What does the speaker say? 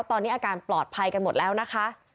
ตอนนี้อาการปลอดภัยกันหมดแล้วนะคะ